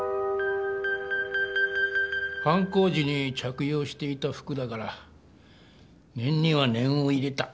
犯行時に着用していた服だから念には念を入れた。